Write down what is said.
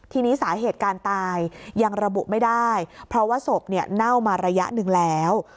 ทีนี้สาเหตุการตายยังระบุไม่ได้เพราะว่าศพเนี่ยเน่ามาระยะหนึ่งแล้ว